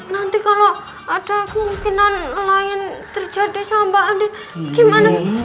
nanti kalau ada kemungkinan lain terjadi sama mbak andi gimana